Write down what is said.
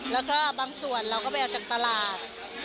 แล้วก็บางส่วนเราก็ไปเอาจากตลาด